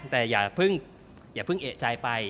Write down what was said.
แต่อย่าเพิ่งเอกใจไป